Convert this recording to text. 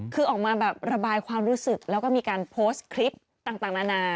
คือออกมาแบบระบายความรู้สึกแล้วก็มีการโพสต์คลิปต่างนานา